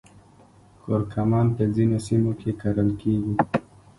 کورکمن په ځینو سیمو کې کرل کیږي